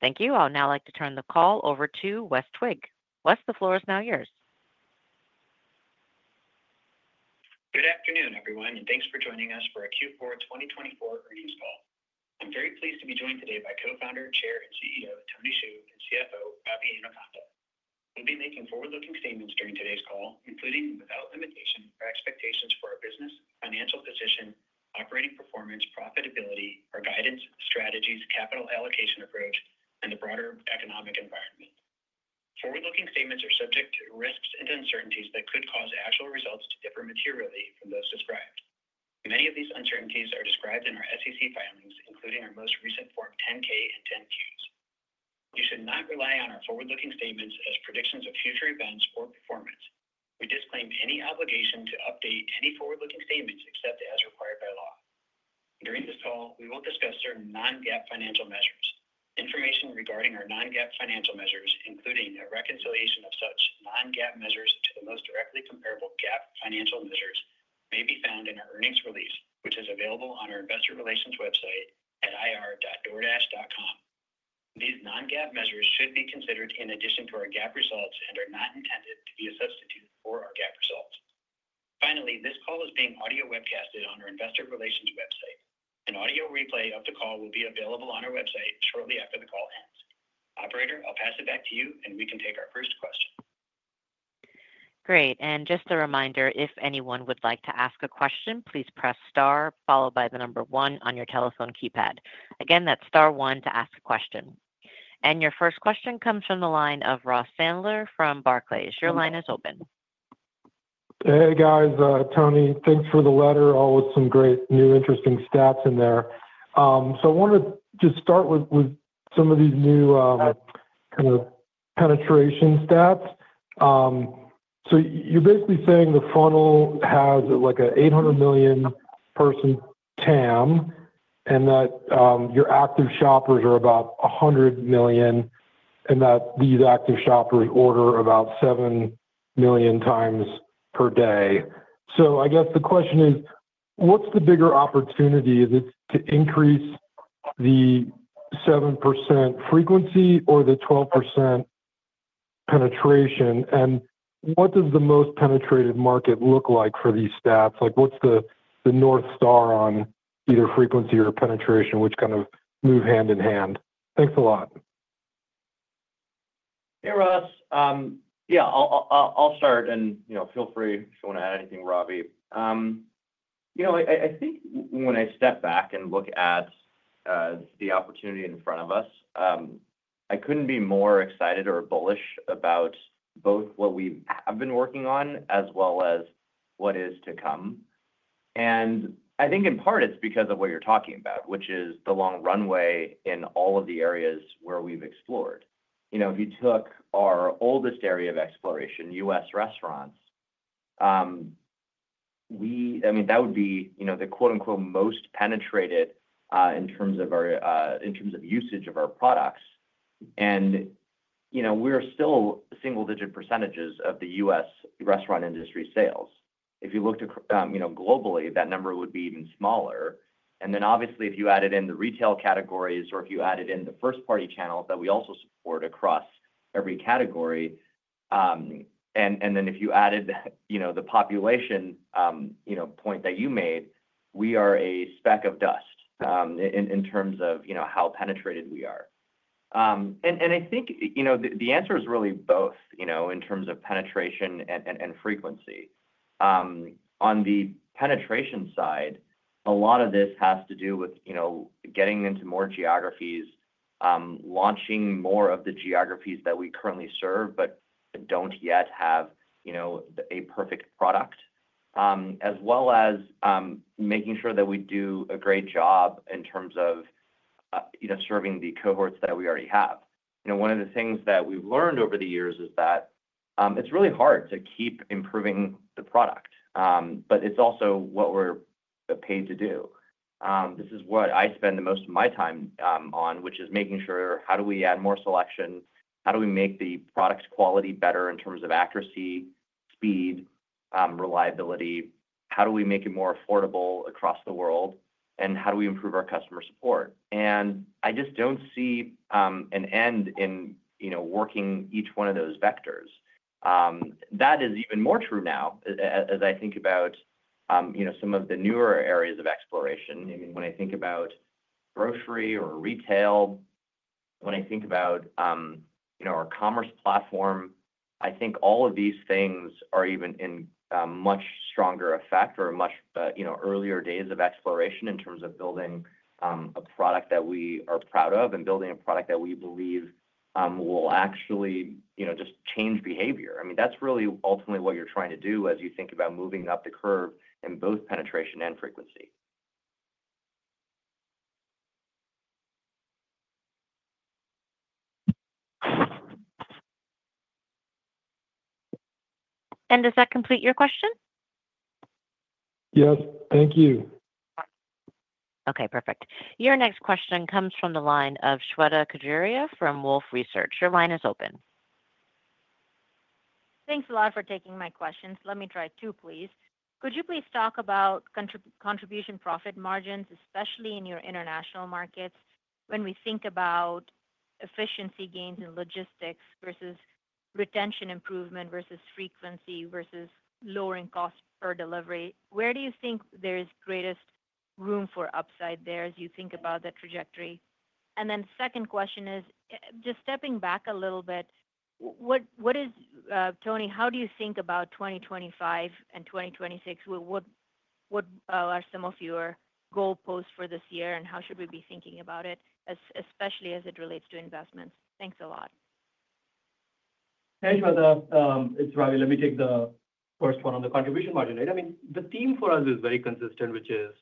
Thank you. I would now like to turn the call over to West Twigg. West, the floor is now yours. Good afternoon, everyone, and thanks for joining us for our Q4 2024 earnings call. I'm very pleased to be joined today by Co-founder, Chair, and CEO Tony Xu, and CFO Ravi Inukonda. We'll be making forward-looking statements during today's call, including without limitation our expectations for our business, financial position, operating performance, profitability, our guidance, strategies, capital allocation approach, and the broader economic environment. Forward-looking statements are subject to risks and uncertainties that could cause actual results to differ materially from those described. Many of these uncertainties are described in our SEC filings, including our most recent Form 10-K and 10-Qs. You should not rely on our forward-looking statements as predictions of future events or performance. We disclaim any obligation to update any forward-looking statements except as required by law. During this call, we will discuss certain Non-GAAP financial measures. Information regarding our non-GAAP financial measures, including a reconciliation of such non-GAAP measures to the most directly comparable GAAP financial measures, may be found in our earnings release, which is available on our investor relations website at ir.doordash.com. These non-GAAP measures should be considered in addition to our GAAP results and are not intended to be a substitute for our GAAP results. Finally, this call is being audio webcasted on our investor relations website. An audio replay of the call will be available on our website shortly after the call ends. Operator, I'll pass it back to you, and we can take our first question. Great. And just a reminder, if anyone would like to ask a question, please press star followed by the number one on your telephone keypad. Again, that's star one to ask a question. And your first question comes from the line of Ross Sandler from Barclays. Your line is open. Hey, guys. Tony, thanks for the letter. Always some great new interesting stats in there. So I want to just start with some of these new kind of penetration stats. So you're basically saying the funnel has like an 800 million person TAM, and that your active shoppers are about 100 million, and that these active shoppers order about 7 million times per day. So I guess the question is, what's the bigger opportunity? Is it to increase the 7% frequency or the 12% penetration? And what does the most penetrated market look like for these stats? What's the north star on either frequency or penetration, which kind of move hand in hand? Thanks a lot. Hey, Ross. Yeah, I'll start, and feel free if you want to add anything, Ravi. I think when I step back and look at the opportunity in front of us, I couldn't be more excited or bullish about both what we have been working on as well as what is to come, and I think in part it's because of what you're talking about, which is the long runway in all of the areas where we've explored. If you took our oldest area of exploration, U.S. restaurants, I mean, that would be the quote unquote most penetrated in terms of our usage of our products. We're still single-digit % of the U.S. restaurant industry sales. If you looked globally, that number would be even smaller. And then obviously, if you added in the retail categories or if you added in the first-party channels that we also support across every category, and then if you added the population point that you made, we are a speck of dust in terms of how penetrated we are. And I think the answer is really both in terms of penetration and frequency. On the penetration side, a lot of this has to do with getting into more geographies, launching more of the geographies that we currently serve, but don't yet have a perfect product, as well as making sure that we do a great job in terms of serving the cohorts that we already have. One of the things that we've learned over the years is that it's really hard to keep improving the product, but it's also what we're paid to do. This is what I spend the most of my time on, which is making sure how do we add more selection, how do we make the product's quality better in terms of accuracy, speed, reliability, how do we make it more affordable across the world, and how do we improve our customer support, and I just don't see an end in working each one of those vectors. That is even more true now as I think about some of the newer areas of exploration. I mean, when I think about grocery or retail, when I think about our commerce platform, I think all of these things are even in much stronger effect or much earlier days of exploration in terms of building a product that we are proud of and building a product that we believe will actually just change behavior. I mean, that's really ultimately what you're trying to do as you think about moving up the curve in both penetration and frequency. Does that complete your question? Yes. Thank you. Okay. Perfect. Your next question comes from the line of Shweta Khajuria from Wolfe Research. Your line is open. Thanks a lot for taking my questions. Let me try two, please. Could you please talk about contribution profit margins, especially in your international markets, when we think about efficiency gains in logistics versus retention improvement versus frequency versus lowering cost per delivery? Where do you think there is greatest room for upside there as you think about that trajectory? And then the second question is, just stepping back a little bit, Tony, how do you think about 2025 and 2026? What are some of your goalposts for this year, and how should we be thinking about it, especially as it relates to investments? Thanks a lot. Hey, Shweta. It's Ravi. Let me take the first one on the contribution margin. I mean, the theme for us is very consistent, which is,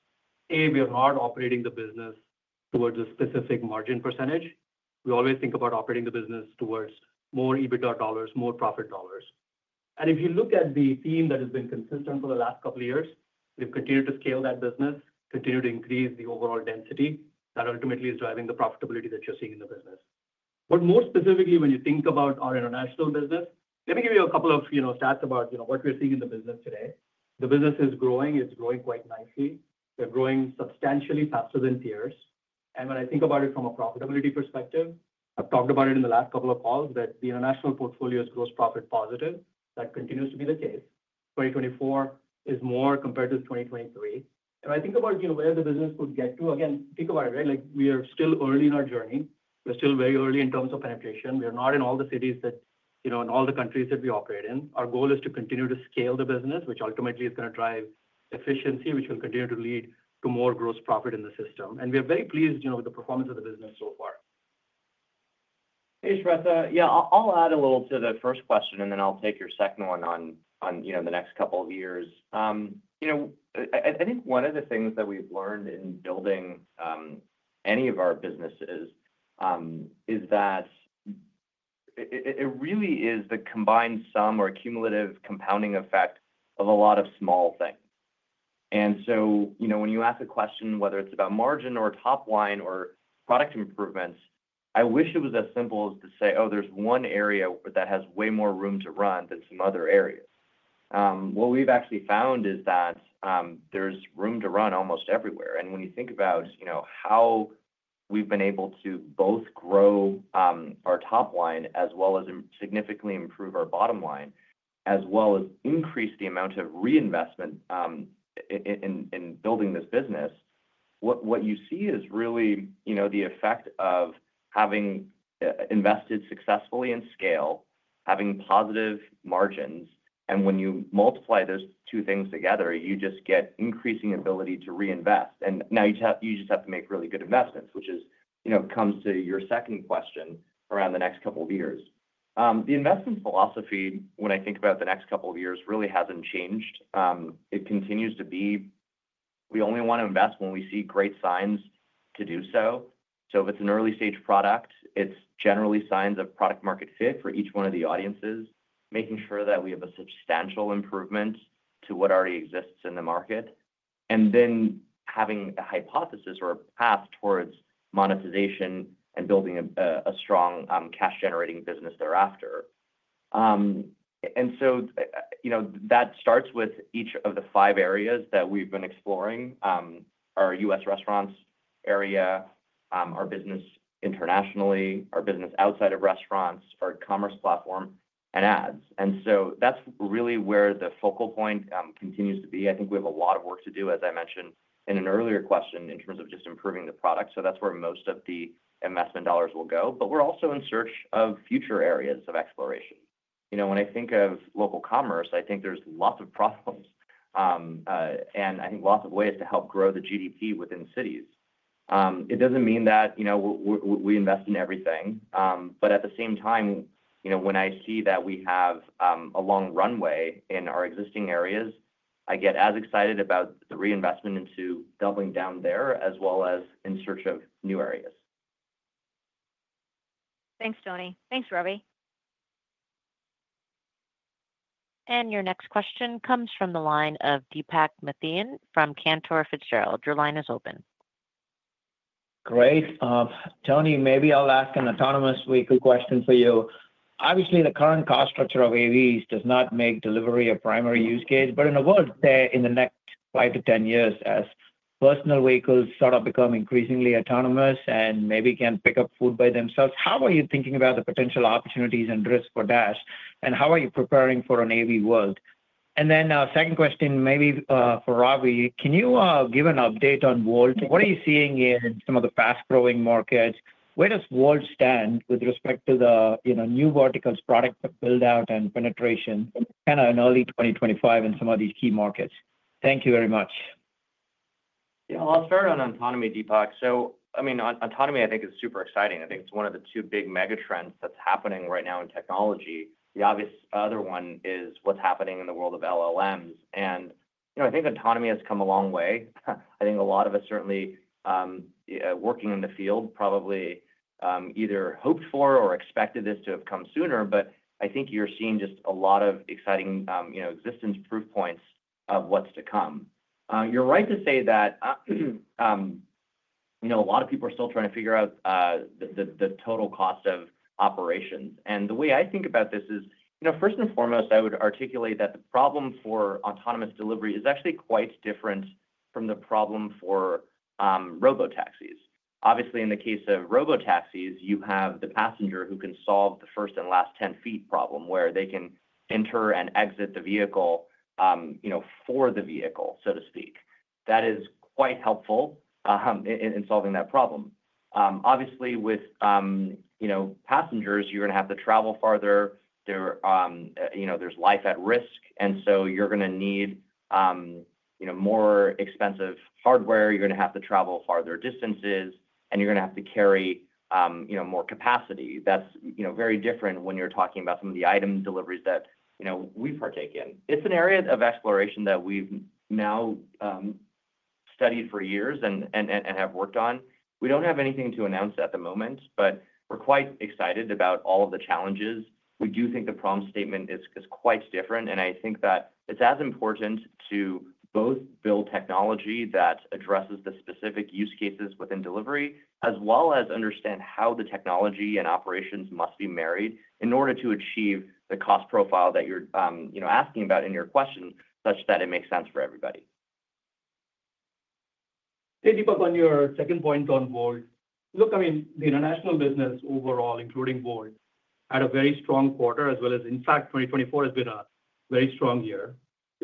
A, we are not operating the business towards a specific margin percentage. We always think about operating the business towards more EBITDA dollars, more profit dollars. And if you look at the theme that has been consistent for the last couple of years, we've continued to scale that business, continued to increase the overall density that ultimately is driving the profitability that you're seeing in the business. But more specifically, when you think about our international business, let me give you a couple of stats about what we're seeing in the business today. The business is growing. It's growing quite nicely. They're growing substantially faster than peers. And when I think about it from a profitability perspective, I've talked about it in the last couple of calls that the international portfolio is gross profit positive. That continues to be the case. 2024 is more compared to 2023. And when I think about where the business could get to, again, think about it, right? We are still early in our journey. We're still very early in terms of penetration. We are not in all the cities that in all the countries that we operate in. Our goal is to continue to scale the business, which ultimately is going to drive efficiency, which will continue to lead to more gross profit in the system. And we are very pleased with the performance of the business so far. Hey, Shweta. Yeah, I'll add a little to the first question, and then I'll take your second one on the next couple of years. I think one of the things that we've learned in building any of our businesses is that it really is the combined sum or cumulative compounding effect of a lot of small things. And so when you ask a question, whether it's about margin or top line or product improvements, I wish it was as simple as to say, "Oh, there's one area that has way more room to run than some other areas." What we've actually found is that there's room to run almost everywhere. And when you think about how we've been able to both grow our top line as well as significantly improve our bottom line, as well as increase the amount of reinvestment in building this business, what you see is really the effect of having invested successfully in scale, having positive margins, and when you multiply those two things together, you just get increasing ability to reinvest. And now you just have to make really good investments, which comes to your second question around the next couple of years. The investment philosophy, when I think about the next couple of years, really hasn't changed. It continues to be we only want to invest when we see great signs to do so. So if it's an early-stage product, it's generally signs of product-market fit for each one of the audiences, making sure that we have a substantial improvement to what already exists in the market, and then having a hypothesis or a path towards monetization and building a strong cash-generating business thereafter. And so that starts with each of the five areas that we've been exploring: our U.S. restaurants area, our business internationally, our business outside of restaurants, our commerce platform, and ads. And so that's really where the focal point continues to be. I think we have a lot of work to do, as I mentioned in an earlier question, in terms of just improving the product. So that's where most of the investment dollars will go. But we're also in search of future areas of exploration. When I think of local commerce, I think there's lots of problems, and I think lots of ways to help grow the GDP within cities. It doesn't mean that we invest in everything. But at the same time, when I see that we have a long runway in our existing areas, I get as excited about the reinvestment into doubling down there as well as in search of new areas. Thanks, Tony. Thanks, Ravi. And your next question comes from the line of Deepak Mathivanan from Cantor Fitzgerald. Your line is open. Great. Tony, maybe I'll ask an autonomous vehicle question for you. Obviously, the current cost structure of EVs does not make delivery a primary use case. But in a world in the next 5 to 10 years, as personal vehicles sort of become increasingly autonomous and maybe can pick up food by themselves, how are you thinking about the potential opportunities and risk for Dash? And how are you preparing for an EV world? And then second question, maybe for Ravi, can you give an update on Wolt? What are you seeing in some of the fast-growing markets? Where does Wolt stand with respect to the new verticals, product build-out and penetration, kind of in early 2025 in some of these key markets? Thank you very much. Yeah, I'll start on autonomy, Deepak. So I mean, autonomy, I think, is super exciting. I think it's one of the two big mega trends that's happening right now in technology. The obvious other one is what's happening in the world of LLMs. And I think autonomy has come a long way. I think a lot of us certainly working in the field probably either hoped for or expected this to have come sooner, but I think you're seeing just a lot of exciting existence proof points of what's to come. You're right to say that a lot of people are still trying to figure out the total cost of operations. And the way I think about this is, first and foremost, I would articulate that the problem for autonomous delivery is actually quite different from the problem for robotaxis. Obviously, in the case of robotaxis, you have the passenger who can solve the first and last 10 feet problem where they can enter and exit the vehicle for the vehicle, so to speak. That is quite helpful in solving that problem. Obviously, with passengers, you're going to have to travel farther. There's life at risk. And so you're going to need more expensive hardware. You're going to have to travel farther distances, and you're going to have to carry more capacity. That's very different when you're talking about some of the item deliveries that we partake in. It's an area of exploration that we've now studied for years and have worked on. We don't have anything to announce at the moment, but we're quite excited about all of the challenges. We do think the problem statement is quite different. I think that it's as important to both build technology that addresses the specific use cases within delivery as well as understand how the technology and operations must be married in order to achieve the cost profile that you're asking about in your question, such that it makes sense for everybody. Hey, Deepak, on your second point on Wolt, look, I mean, the international business overall, including Wolt, had a very strong quarter, as well as, in fact, 2024 has been a very strong year.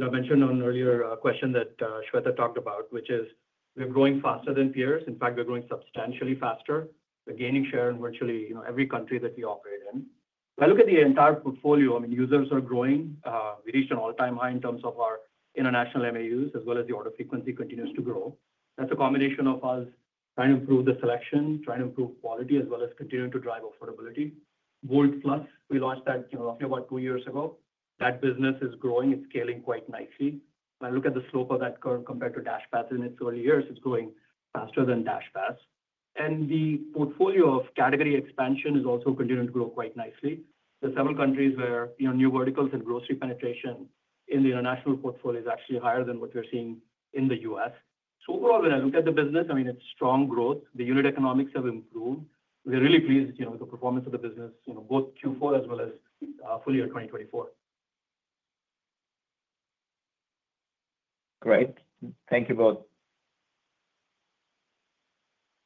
I mentioned on an earlier question that Shweta talked about, which is we're growing faster than peers. In fact, we're growing substantially faster. We're gaining share in virtually every country that we operate in. If I look at the entire portfolio, I mean, users are growing. We reached an all-time high in terms of our international MAUs, as well as the order frequency continues to grow. That's a combination of us trying to improve the selection, trying to improve quality, as well as continuing to drive affordability. Wolt+, we launched that roughly about two years ago. That business is growing. It's scaling quite nicely. When I look at the slope of that curve compared to DashPass in its early years, it's growing faster than DashPass, and the portfolio of category expansion is also continuing to grow quite nicely. There are several countries where new verticals and grocery penetration in the international portfolio is actually higher than what we're seeing in the U.S. So overall, when I look at the business, I mean, it's strong growth. The unit economics have improved. We're really pleased with the performance of the business, both Q4 as well as full year 2024. Great. Thank you both.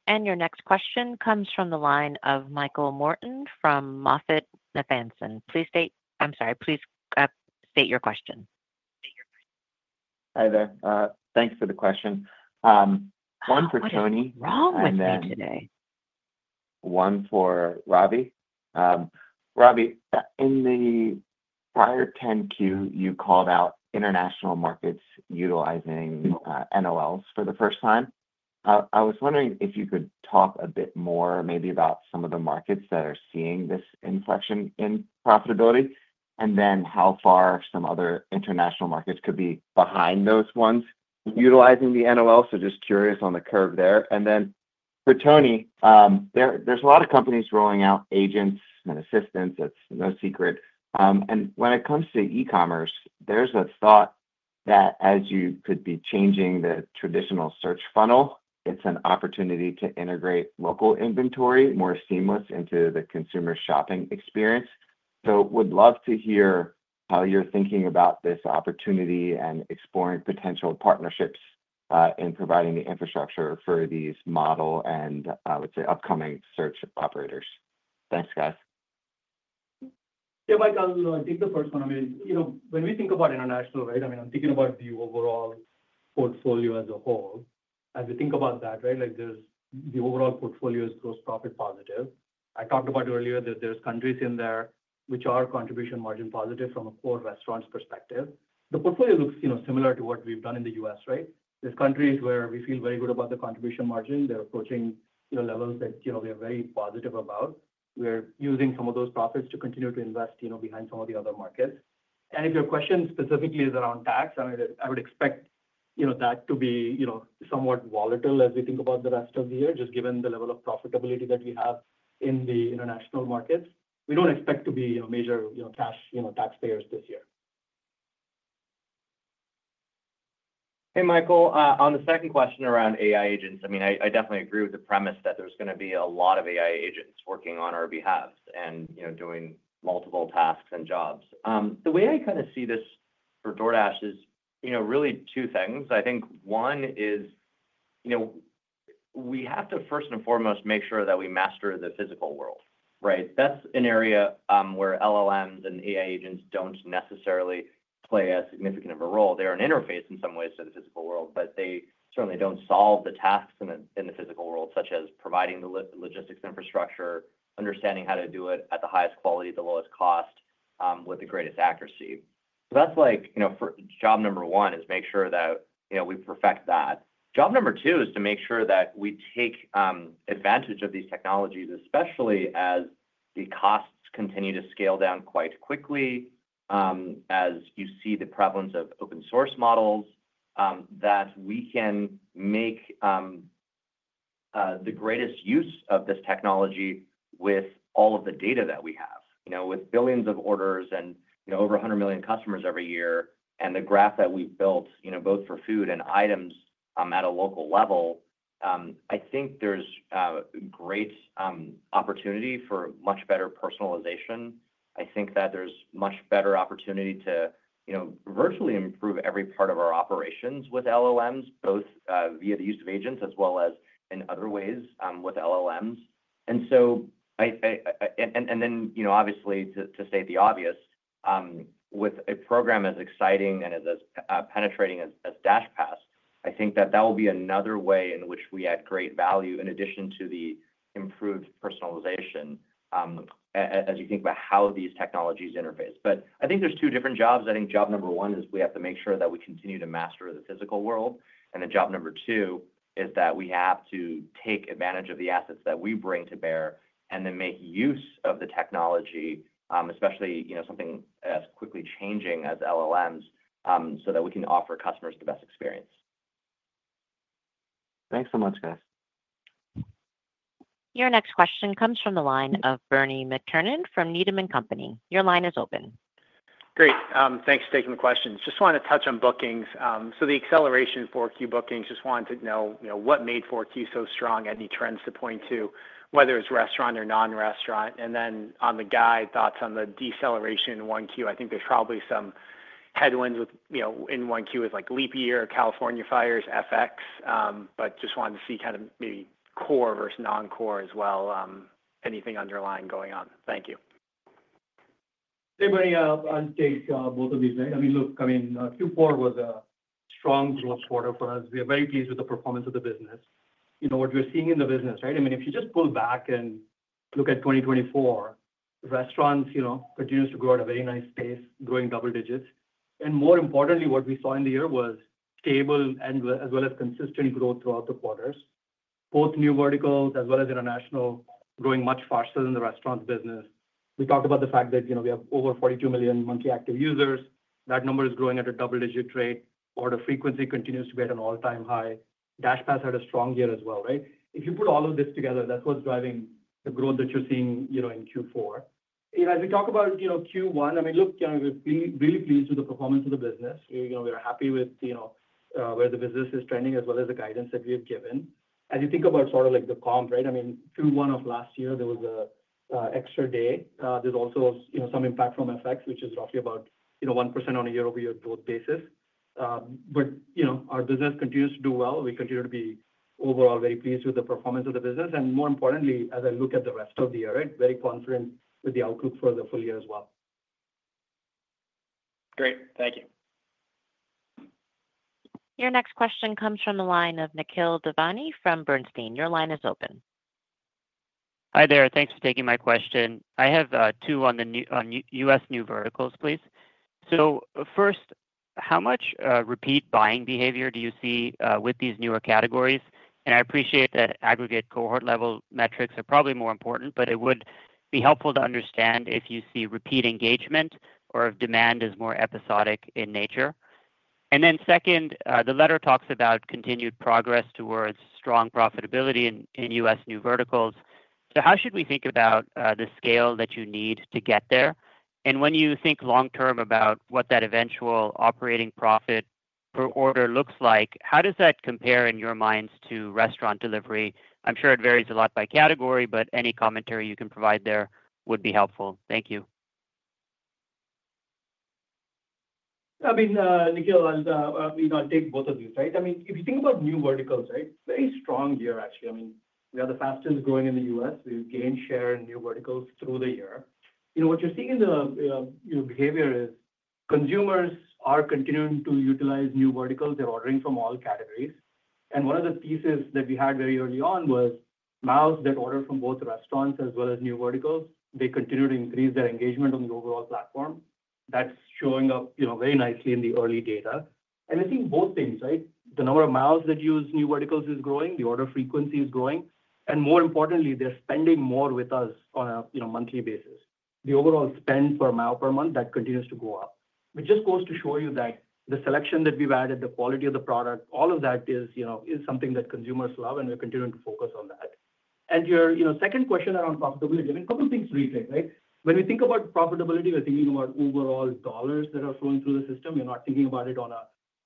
And your next question comes from the line of Michael Morton from MoffettNathanson. Please state, I'm sorry, please state your question. Hi there. Thanks for the question. One for Tony. Oh, Ravi today. One for Ravi. Ravi, in the prior 10-Q, you called out international markets utilizing NOLs for the first time. I was wondering if you could talk a bit more maybe about some of the markets that are seeing this inflection in profitability, and then how far some other international markets could be behind those ones utilizing the NOL, so just curious on the curve there. And then for Tony, there's a lot of companies rolling out agents and assistants. It's no secret, and when it comes to e-commerce, there's a thought that as you could be changing the traditional search funnel, it's an opportunity to integrate local inventory more seamlessly into the consumer shopping experience. So I would love to hear how you're thinking about this opportunity and exploring potential partnerships in providing the infrastructure for these models and, I would say, upcoming search operators. Thanks, guys. Yeah, Michael, I'll take the first one. I mean, when we think about international, right, I mean, I'm thinking about the overall portfolio as a whole. As we think about that, right, the overall portfolio is gross profit positive. I talked about earlier that there are countries in there which are contribution margin positive from a core restaurant's perspective. The portfolio looks similar to what we've done in the U.S., right? There's countries where we feel very good about the contribution margin. They're approaching levels that we are very positive about. We're using some of those profits to continue to invest behind some of the other markets, and if your question specifically is around tax, I mean, I would expect that to be somewhat volatile as we think about the rest of the year, just given the level of profitability that we have in the international markets. We don't expect to be major cash taxpayers this year. Hey, Michael, on the second question around AI agents, I mean, I definitely agree with the premise that there's going to be a lot of AI agents working on our behalf and doing multiple tasks and jobs. The way I kind of see this for DoorDash is really two things. I think one is we have to, first and foremost, make sure that we master the physical world, right? That's an area where LLMs and AI agents don't necessarily play a significant role. They're an interface in some ways to the physical world, but they certainly don't solve the tasks in the physical world, such as providing the logistics infrastructure, understanding how to do it at the highest quality, the lowest cost, with the greatest accuracy. So that's like job number one is make sure that we perfect that. Job number two is to make sure that we take advantage of these technologies, especially as the costs continue to scale down quite quickly, as you see the prevalence of open-source models, that we can make the greatest use of this technology with all of the data that we have. With billions of orders and over 100 million customers every year and the graph that we've built both for food and items at a local level, I think there's great opportunity for much better personalization. I think that there's much better opportunity to virtually improve every part of our operations with LLMs, both via the use of agents as well as in other ways with LLMs. And then, obviously, to state the obvious, with a program as exciting and as penetrating as DashPass, I think that that will be another way in which we add great value in addition to the improved personalization as you think about how these technologies interface. But I think there's two different jobs. I think job number one is we have to make sure that we continue to master the physical world. And then job number two is that we have to take advantage of the assets that we bring to bear and then make use of the technology, especially something as quickly changing as LLMs, so that we can offer customers the best experience. Thanks so much, guys. Your next question comes from the line of Bernie McTernan from Needham & Company. Your line is open. Great. Thanks for taking the question. Just wanted to touch on bookings. So the acceleration for Q4 bookings, just wanted to know what made Q4 so strong and any trends to point to, whether it's restaurant or non-restaurant. And then on the guide, thoughts on the deceleration in 1Q. I think there's probably some headwinds in 1Q with leap year or California fires, FX, but just wanted to see kind of maybe core versus non-core as well. Anything underlying going on? Thank you. Hey, Bernie, I'll take both of these, right? I mean, look, I mean, Q4 was a strong growth quarter for us. We are very pleased with the performance of the business. What we're seeing in the business, right? I mean, if you just pull back and look at 2024, restaurants continue to grow at a very nice pace, growing double digits. And more importantly, what we saw in the year was stable as well as consistent growth throughout the quarters. Both new verticals as well as international growing much faster than the restaurant business. We talked about the fact that we have over 42 million monthly active users. That number is growing at a double-digit rate. Order frequency continues to be at an all-time high. DashPass had a strong year as well, right? If you put all of this together, that's what's driving the growth that you're seeing in Q4. As we talk about Q1, I mean, look, we're really pleased with the performance of the business. We are happy with where the business is trending as well as the guidance that we have given. As you think about sort of like the comp, right? I mean, Q1 of last year, there was an extra day. There's also some impact from FX, which is roughly about 1% on a year-over-year growth basis. But our business continues to do well. We continue to be overall very pleased with the performance of the business. And more importantly, as I look at the rest of the year, right, very confident with the outlook for the full year as well. Great. Thank you. Your next question comes from the line of Nikhil Devnani from Bernstein. Your line is open. Hi there. Thanks for taking my question. I have two on U.S. new verticals, please. So first, how much repeat buying behavior do you see with these newer categories? And I appreciate that aggregate cohort-level metrics are probably more important, but it would be helpful to understand if you see repeat engagement or if demand is more episodic in nature. And then second, the letter talks about continued progress towards strong profitability in U.S. new verticals. So how should we think about the scale that you need to get there? And when you think long-term about what that eventual operating profit per order looks like, how does that compare in your minds to restaurant delivery? I'm sure it varies a lot by category, but any commentary you can provide there would be helpful. Thank you. I mean, Nikhil, I'll take both of these, right? I mean, if you think about new verticals, right, very strong year, actually. I mean, we are the fastest growing in the U.S. We've gained share in new verticals through the year. What you're seeing in the behavior is consumers are continuing to utilize new verticals. They're ordering from all categories. One of the pieces that we had very early on was MAUs that ordered from both restaurants as well as new verticals. They continue to increase their engagement on the overall platform. That's showing up very nicely in the early data. I think both things, right? The number of MAUs that use new verticals is growing. The order frequency is growing. More importantly, they're spending more with us on a monthly basis. The overall spend per mouth per month, that continues to go up, which just goes to show you that the selection that we've added, the quality of the product, all of that is something that consumers love, and we're continuing to focus on that. Your second question around profitability, I mean, a couple of things to reiterate, right? When we think about profitability, we're thinking about overall dollars that are flowing through the system. You're not thinking about it on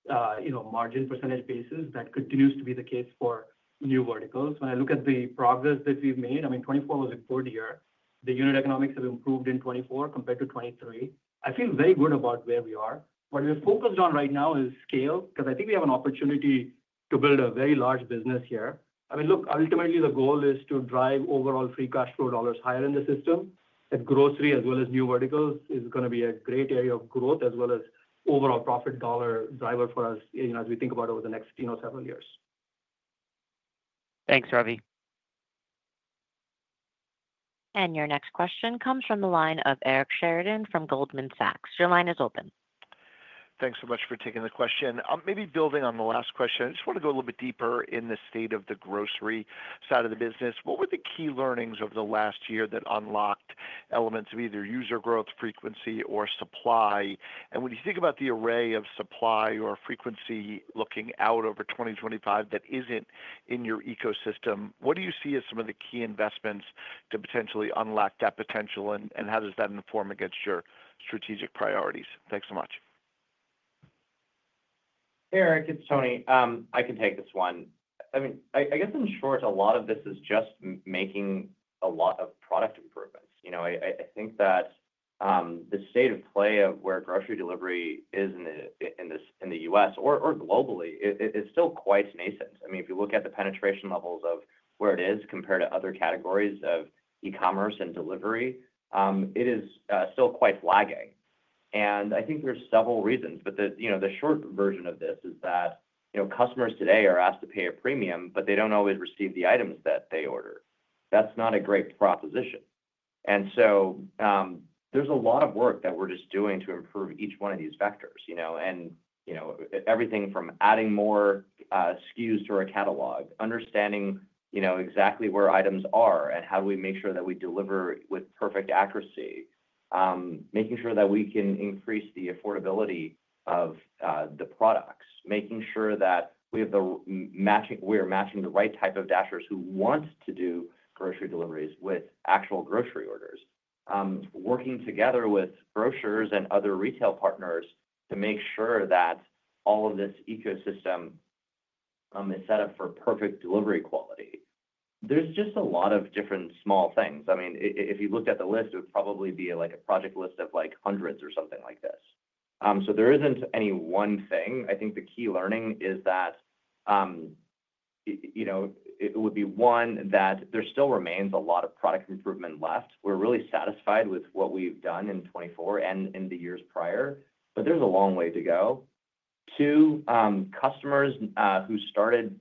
a margin percentage basis. That continues to be the case for new verticals. When I look at the progress that we've made, I mean, 2024 was a good year. The unit economics have improved in 2024 compared to 2023. I feel very good about where we are. What we're focused on right now is scale because I think we have an opportunity to build a very large business here. I mean, look, ultimately, the goal is to drive overall free cash flow dollars higher in the system. That grocery as well as new verticals is going to be a great area of growth as well as overall profit dollar driver for us as we think about over the next several years. Thanks, Ravi. Your next question comes from the line of Eric Sheridan from Goldman Sachs. Your line is open. Thanks so much for taking the question. Maybe building on the last question, I just want to go a little bit deeper in the state of the grocery side of the business. What were the key learnings of the last year that unlocked elements of either user growth, frequency, or supply, and when you think about the array of supply or frequency looking out over 2025 that isn't in your ecosystem, what do you see as some of the key investments to potentially unlock that potential, and how does that inform against your strategic priorities? Thanks so much. Eric, it's Tony. I can take this one. I mean, I guess in short, a lot of this is just making a lot of product improvements. I think that the state of play of where grocery delivery is in the U.S. or globally is still quite nascent. I mean, if you look at the penetration levels of where it is compared to other categories of e-commerce and delivery, it is still quite lagging. And I think there's several reasons, but the short version of this is that customers today are asked to pay a premium, but they don't always receive the items that they order. That's not a great proposition. And so there's a lot of work that we're just doing to improve each one of these vectors. Everything from adding more SKUs to our catalog, understanding exactly where items are, and how do we make sure that we deliver with perfect accuracy, making sure that we can increase the affordability of the products, making sure that we are matching the right type of Dashers who want to do grocery deliveries with actual grocery orders, working together with grocers and other retail partners to make sure that all of this ecosystem is set up for perfect delivery quality. There's just a lot of different small things. I mean, if you looked at the list, it would probably be like a project list of hundreds or something like this. So there isn't any one thing. I think the key learning is that it would be one that there still remains a lot of product improvement left. We're really satisfied with what we've done in 2024 and in the years prior, but there's a long way to go. Two, customers who started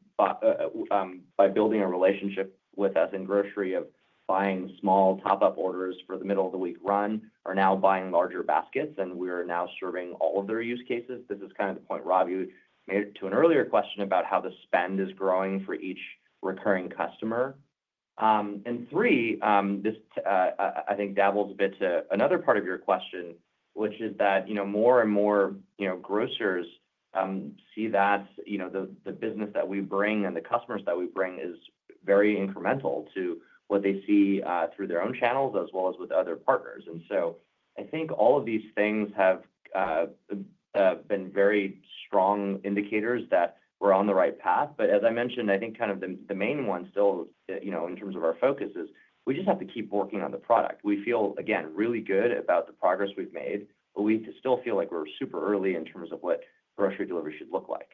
by building a relationship with us in grocery of buying small top-up orders for the middle-of-the-week run are now buying larger baskets, and we are now serving all of their use cases. This is kind of the point, Ravi, to an earlier question about how the spend is growing for each recurring customer. And three, this I think dabbles a bit to another part of your question, which is that more and more grocers see that the business that we bring and the customers that we bring is very incremental to what they see through their own channels as well as with other partners. And so I think all of these things have been very strong indicators that we're on the right path. But as I mentioned, I think kind of the main one still in terms of our focus is we just have to keep working on the product. We feel, again, really good about the progress we've made, but we still feel like we're super early in terms of what grocery delivery should look like.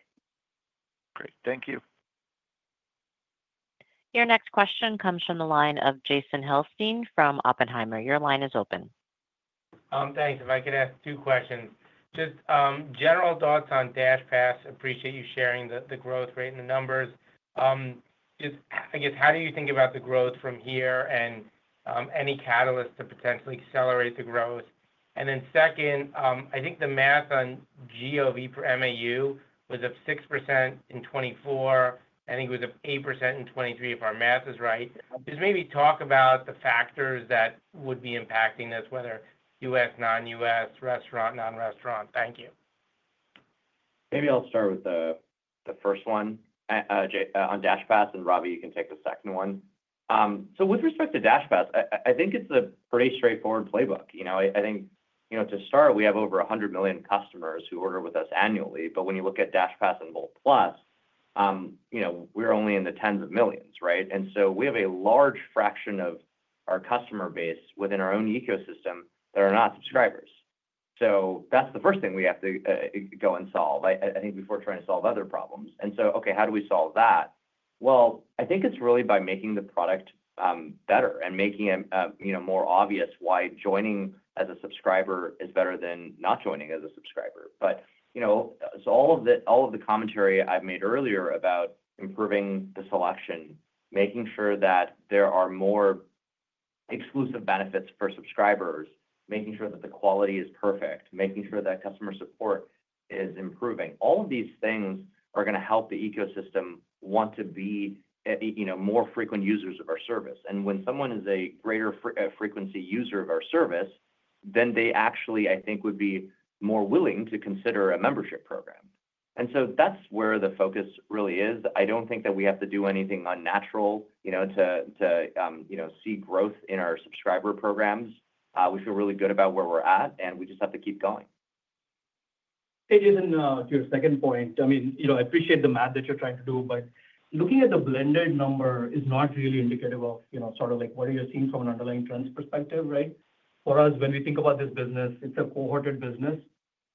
Great. Thank you. Your next question comes from the line of Jason Helfstein from Oppenheimer. Your line is open. Thanks. If I could ask two questions. Just general thoughts on DashPass. Appreciate you sharing the growth rate and the numbers. I guess, how do you think about the growth from here and any catalysts to potentially accelerate the growth? And then second, I think the math on GOV per MAU was up 6% in 2024. I think it was up 8% in 2023, if our math is right. Just maybe talk about the factors that would be impacting this, whether U.S., non-U.S., restaurant, non-restaurant. Thank you. Maybe I'll start with the first one on DashPass, and Ravi, you can take the second one. So with respect to DashPass, I think it's a pretty straightforward playbook. I think to start, we have over 100 million customers who order with us annually. But when you look at DashPass and Wolt+, we're only in the tens of millions, right? And so we have a large fraction of our customer base within our own ecosystem that are not subscribers. So that's the first thing we have to go and solve, I think, before trying to solve other problems. And so, okay, how do we solve that? Well, I think it's really by making the product better and making it more obvious why joining as a subscriber is better than not joining as a subscriber. But all of the commentary I've made earlier about improving the selection, making sure that there are more exclusive benefits for subscribers, making sure that the quality is perfect, making sure that customer support is improving, all of these things are going to help the ecosystem want to be more frequent users of our service. And when someone is a greater frequency user of our service, then they actually, I think, would be more willing to consider a membership program. And so that's where the focus really is. I don't think that we have to do anything unnatural to see growth in our subscriber programs. We feel really good about where we're at, and we just have to keep going. It isn't to your second point. I mean, I appreciate the math that you're trying to do, but looking at the blended number is not really indicative of sort of what are you seeing from an underlying trends perspective, right? For us, when we think about this business, it's a cohorted business.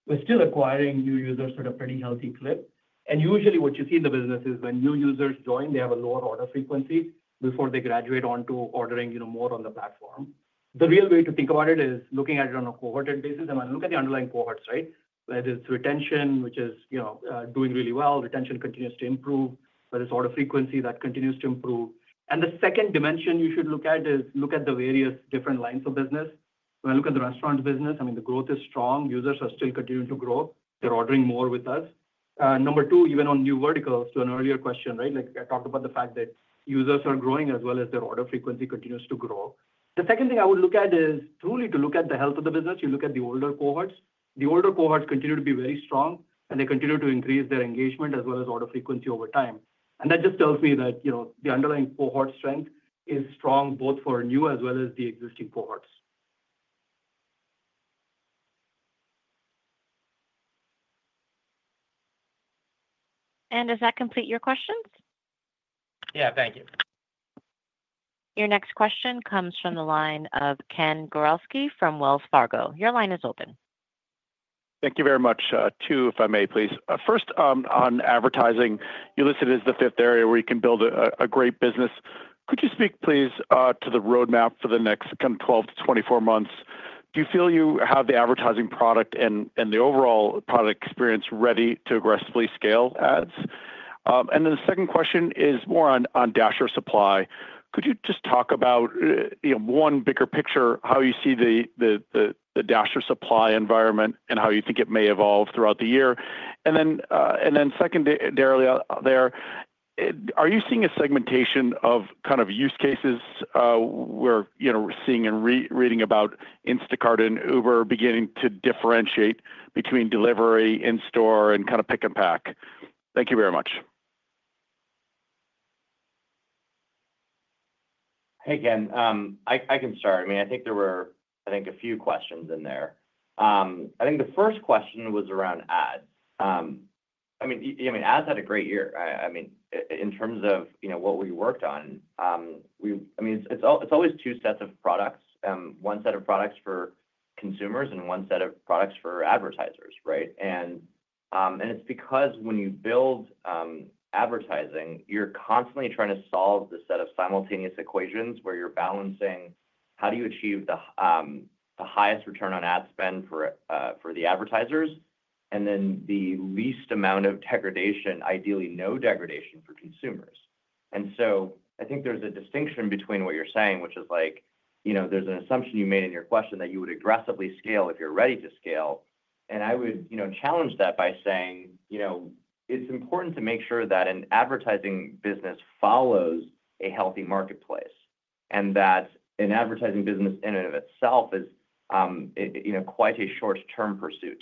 We're still acquiring new users at a pretty healthy clip. And usually, what you see in the business is when new users join, they have a lower order frequency before they graduate onto ordering more on the platform. The real way to think about it is looking at it on a cohorted basis. And when I look at the underlying cohorts, right, that is retention, which is doing really well. Retention continues to improve. That is order frequency that continues to improve. The second dimension you should look at is the various different lines of business. When I look at the restaurant business, I mean, the growth is strong. Users are still continuing to grow. They're ordering more with us. Number two, even on new verticals, to an earlier question, right? I talked about the fact that users are growing as well as their order frequency continues to grow. The second thing I would look at is truly to look at the health of the business. You look at the older cohorts. The older cohorts continue to be very strong, and they continue to increase their engagement as well as order frequency over time. That just tells me that the underlying cohort strength is strong both for new as well as the existing cohorts. Does that complete your questions? Yeah. Thank you. Your next question comes from the line of Ken Gawrelski from Wells Fargo. Your line is open. Thank you very much. Two, if I may, please. First, on advertising, you listed as the fifth area where you can build a great business. Could you speak, please, to the roadmap for the next 12 to 24 months? Do you feel you have the advertising product and the overall product experience ready to aggressively scale ads? And then the second question is more on Dasher supply. Could you just talk about one bigger picture, how you see the Dasher supply environment and how you think it may evolve throughout the year? And then secondarily there, are you seeing a segmentation of kind of use cases where we're seeing and reading about Instacart and Uber beginning to differentiate between delivery, in-store, and kind of pick and pack? Thank you very much. Hey, Ken. I can start. I mean, I think there were, I think, a few questions in there. I think the first question was around ads. I mean, ads had a great year. I mean, in terms of what we worked on, I mean, it's always two sets of products, one set of products for consumers and one set of products for advertisers, right? And it's because when you build advertising, you're constantly trying to solve the set of simultaneous equations where you're balancing how do you achieve the highest return on ad spend for the advertisers and then the least amount of degradation, ideally no degradation for consumers. And so I think there's a distinction between what you're saying, which is like there's an assumption you made in your question that you would aggressively scale if you're ready to scale. And I would challenge that by saying it's important to make sure that an advertising business follows a healthy marketplace and that an advertising business in and of itself is quite a short-term pursuit.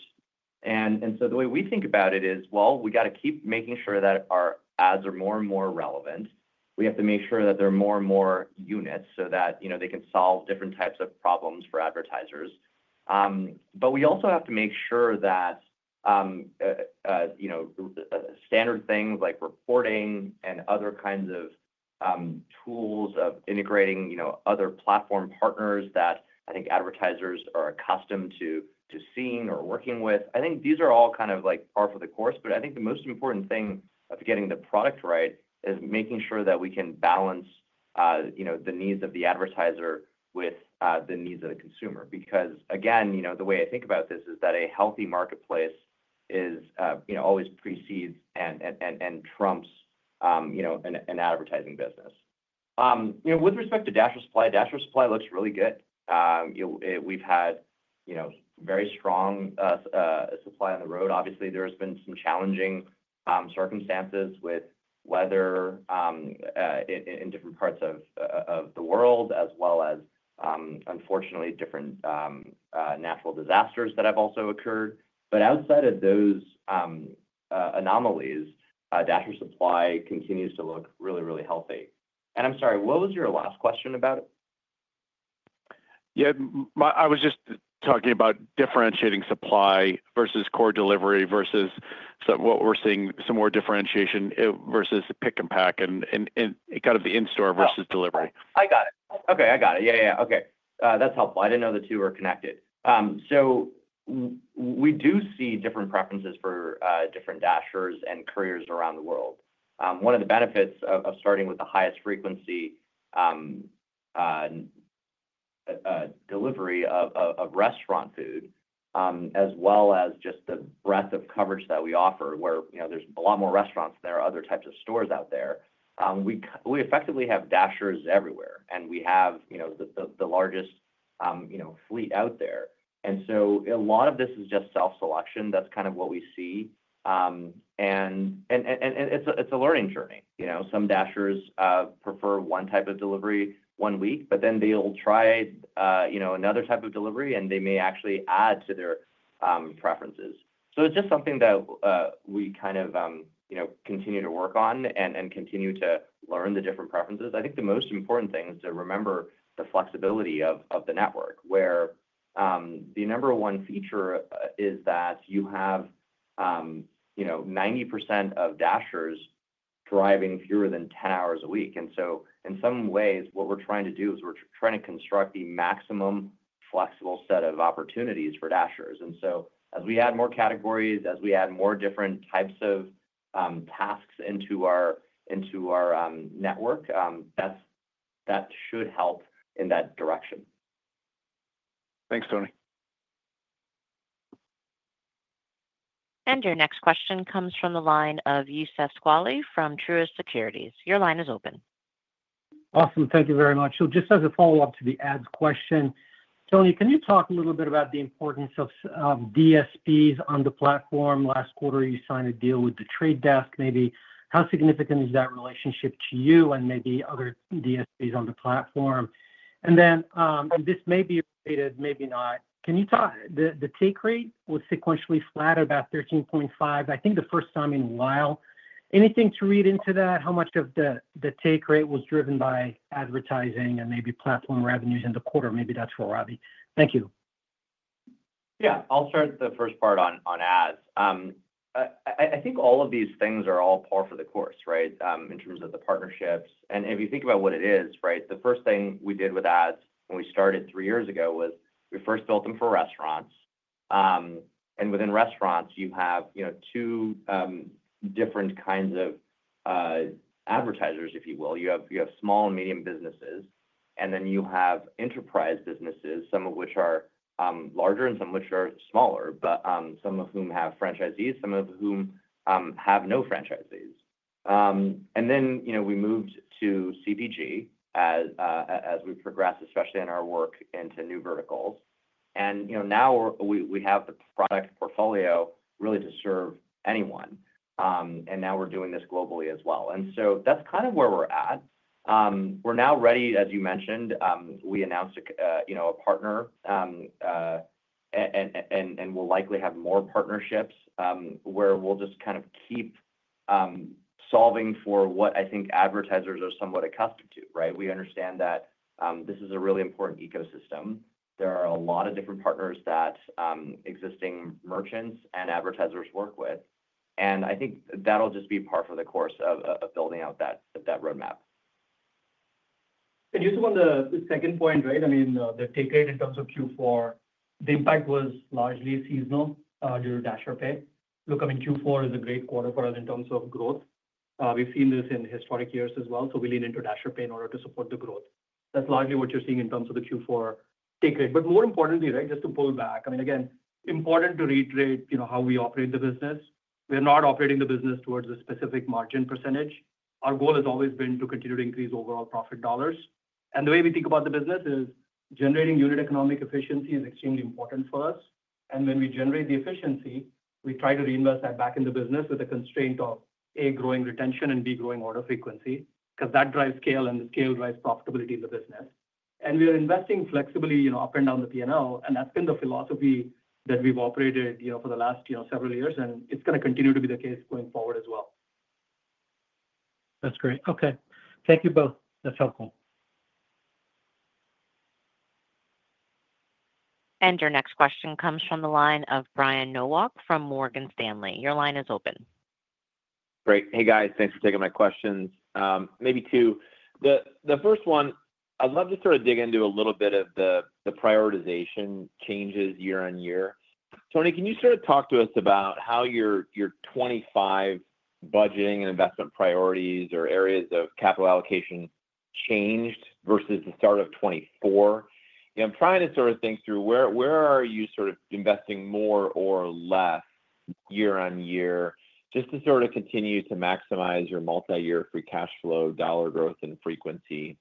And so the way we think about it is, well, we got to keep making sure that our ads are more and more relevant. We have to make sure that there are more and more units so that they can solve different types of problems for advertisers. But we also have to make sure that standard things like reporting and other kinds of tools of integrating other platform partners that I think advertisers are accustomed to seeing or working with. I think these are all kind of par for the course, but I think the most important thing of getting the product right is making sure that we can balance the needs of the advertiser with the needs of the consumer. Because again, the way I think about this is that a healthy marketplace always precedes and trumps an advertising business. With respect to Dasher supply, Dasher supply looks really good. We've had very strong supply on the road. Obviously, there has been some challenging circumstances with weather in different parts of the world, as well as, unfortunately, different natural disasters that have also occurred. But outside of those anomalies, Dasher supply continues to look really, really healthy. And I'm sorry, what was your last question about it? Yeah. I was just talking about differentiating supply versus core delivery versus what we're seeing, some more differentiation versus pick and pack and kind of the in-store versus delivery. I got it. Okay. I got it. Yeah, yeah, yeah. Okay. That's helpful. I didn't know the two were connected. So we do see different preferences for different Dashers and couriers around the world. One of the benefits of starting with the highest frequency delivery of restaurant food, as well as just the breadth of coverage that we offer, where there's a lot more restaurants and there are other types of stores out there, we effectively have Dashers everywhere, and we have the largest fleet out there. And so a lot of this is just self-selection. That's kind of what we see. And it's a learning journey. Some Dashers prefer one type of delivery one week, but then they'll try another type of delivery, and they may actually add to their preferences. It's just something that we kind of continue to work on and continue to learn the different preferences. I think the most important thing is to remember the flexibility of the network, where the number one feature is that you have 90% of Dashers driving fewer than 10 hours a week. And so in some ways, what we're trying to do is we're trying to construct the maximum flexible set of opportunities for Dashers. And so as we add more categories, as we add more different types of tasks into our network, that should help in that direction. Thanks, Tony. And your next question comes from the line of Youssef Squali from Truist Securities. Your line is open. Awesome. Thank you very much. So just as a follow-up to the ads question, Tony, can you talk a little bit about the importance of DSPs on the platform? Last quarter, you signed a deal with The Trade Desk, maybe. How significant is that relationship to you and maybe other DSPs on the platform? And then this may be related, maybe not. Can you talk about the take rate? Was sequentially flat at about 13.5%, I think the first time in a while. Anything to read into that? How much of the take rate was driven by advertising and maybe platform revenues in the quarter? Maybe that's for Ravi. Thank you. Yeah. I'll start the first part on ads. I think all of these things are all par for the course, right, in terms of the partnerships. And if you think about what it is, right, the first thing we did with ads when we started three years ago was we first built them for restaurants. And within restaurants, you have two different kinds of advertisers, if you will. You have small and medium businesses, and then you have enterprise businesses, some of which are larger and some of which are smaller, but some of whom have franchisees, some of whom have no franchisees. And then we moved to CPG as we progressed, especially in our work into new verticals. And now we have the product portfolio really to serve anyone. And now we're doing this globally as well. And so that's kind of where we're at. We're now ready, as you mentioned. We announced a partner and will likely have more partnerships where we'll just kind of keep solving for what I think advertisers are somewhat accustomed to, right? We understand that this is a really important ecosystem. There are a lot of different partners that existing merchants and advertisers work with, and I think that'll just be par for the course of building out that roadmap. And just on the second point, right? I mean, the take rate in terms of Q4, the impact was largely seasonal due to Dasher pay. Look, I mean, Q4 is a great quarter for us in terms of growth. We've seen this in historic years as well. So we lean into Dasher pay in order to support the growth. That's largely what you're seeing in terms of the Q4 take rate. But more importantly, right, just to pull back, I mean, again, important to reiterate how we operate the business. We're not operating the business towards a specific margin percentage. Our goal has always been to continue to increase overall profit dollars. And the way we think about the business is generating unit economic efficiency is extremely important for us. And when we generate the efficiency, we try to reinvest that back in the business with the constraint of, A, growing retention and, B, growing order frequency because that drives scale and the scale drives profitability in the business. And we are investing flexibly up and down the P&L. And that's been the philosophy that we've operated for the last several years, and it's going to continue to be the case going forward as well. That's great. Okay. Thank you both. That's helpful. Your next question comes from the line of Brian Nowak from Morgan Stanley. Your line is open. Great. Hey, guys. Thanks for taking my questions. Maybe two. The first one, I'd love to sort of dig into a little bit of the prioritization changes year on year. Tony, can you sort of talk to us about how your 2025 budgeting and investment priorities or areas of capital allocation changed versus the start of 2024? I'm trying to sort of think through where are you sort of investing more or less year on year just to sort of continue to maximize your multi-year free cash flow dollar growth and frequency.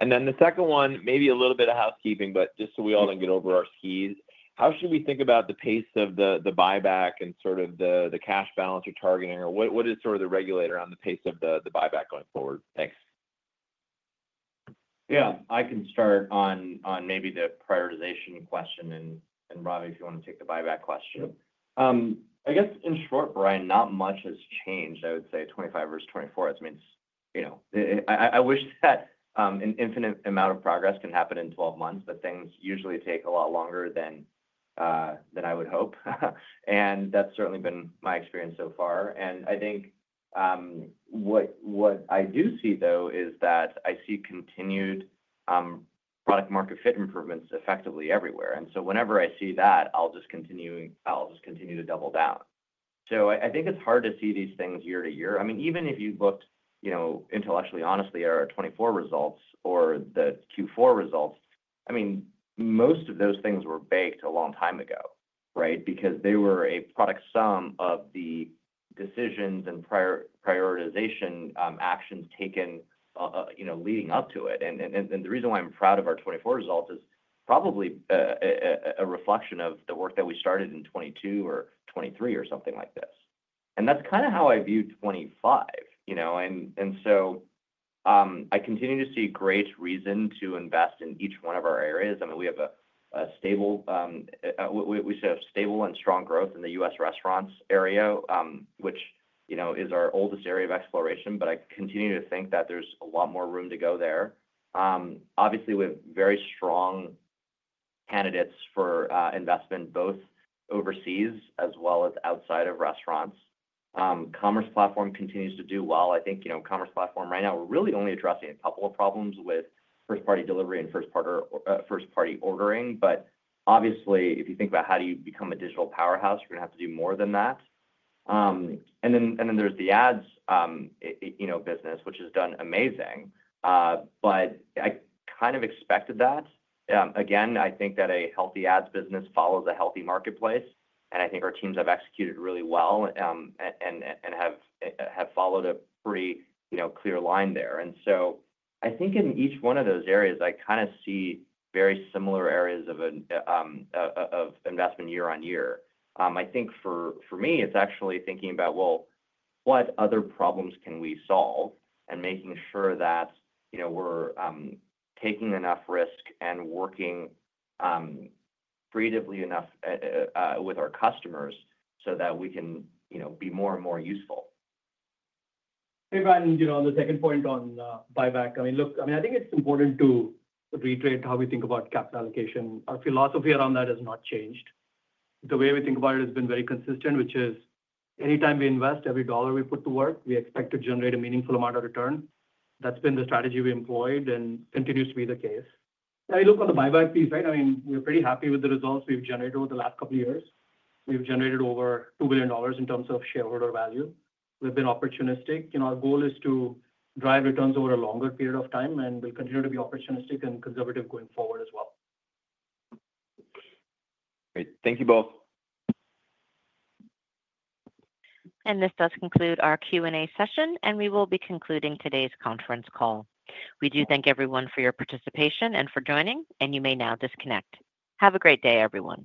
And then the second one, maybe a little bit of housekeeping, but just so we all can get over our skis, how should we think about the pace of the buyback and sort of the cash balance you're targeting? Or what is sort of the regulator on the pace of the buyback going forward? Thanks. Yeah. I can start on maybe the prioritization question, and Ravi, if you want to take the buyback question. I guess in short, Brian, not much has changed, I would say, 2025 versus 2024. I mean, I wish that an infinite amount of progress can happen in 12 months, but things usually take a lot longer than I would hope, and that's certainly been my experience so far, and I think what I do see, though, is that I see continued product-market fit improvements effectively everywhere, and so whenever I see that, I'll just continue to double down, so I think it's hard to see these things year to year. I mean, even if you looked intellectually honestly at our 2024 results or the Q4 results, I mean, most of those things were baked a long time ago, right, because they were a product sum of the decisions and prioritization actions taken leading up to it. And the reason why I'm proud of our 2024 results is probably a reflection of the work that we started in 2022 or 2023 or something like this. And that's kind of how I view 2025. And so I continue to see great reason to invest in each one of our areas. I mean, we have a stable. We show stable and strong growth in the U.S. restaurants area, which is our oldest area of exploration, but I continue to think that there's a lot more room to go there. Obviously, we have very strong candidates for investment both overseas as well as outside of restaurants. Commerce platform continues to do well. I think commerce platform right now, we're really only addressing a couple of problems with first-party delivery and first-party ordering. But obviously, if you think about how do you become a digital powerhouse, you're going to have to do more than that. And then there's the ads business, which has done amazing. But I kind of expected that. Again, I think that a healthy ads business follows a healthy marketplace. And I think our teams have executed really well and have followed a pretty clear line there. And so I think in each one of those areas, I kind of see very similar areas of investment year on year. I think for me, it's actually thinking about, well, what other problems can we solve and making sure that we're taking enough risk and working creatively enough with our customers so that we can be more and more useful. Hey, Brian, on the second point on buyback, I mean, look, I mean, I think it's important to reiterate how we think about capital allocation. Our philosophy around that has not changed. The way we think about it has been very consistent, which is anytime we invest, every dollar we put to work, we expect to generate a meaningful amount of return. That's been the strategy we employed and continues to be the case, and I look on the buyback piece, right? I mean, we're pretty happy with the results we've generated over the last couple of years. We've generated over $2 billion in terms of shareholder value. We've been opportunistic. Our goal is to drive returns over a longer period of time, and we'll continue to be opportunistic and conservative going forward as well. Great. Thank you both. This does conclude our Q&A session, and we will be concluding today's conference call. We do thank everyone for your participation and for joining, and you may now disconnect. Have a great day, everyone.